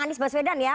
anies baswedan ya